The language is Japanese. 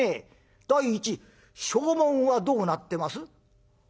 第一証文はどうなってます？」。